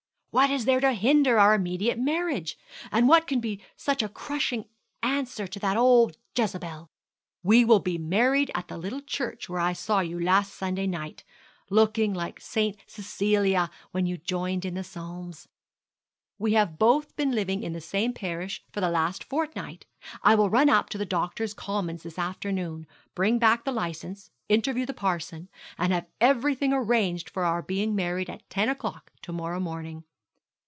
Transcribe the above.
What is there to hinder our immediate marriage? And what can be such a crushing answer to that old Jezebel! We will be married at the little church where I saw you last Sunday night, looking like St. Cecilia when you joined in the Psalms. We have been both living in the same parish for the last fortnight. I will run up to Doctors' Commons this afternoon, bring back the licence, interview the parson, and have everything arranged for our being married at ten o'clock to morrow morning.'